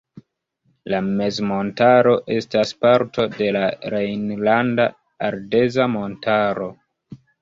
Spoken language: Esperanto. La mezmontaro estas parto de la Rejnlanda Ardeza montaro.